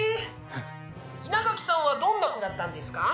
稲垣さんはどんな子だったんですか？